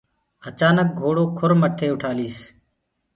اچآنڪ گھوڙو کُر مٿي اُٺآ ليس۔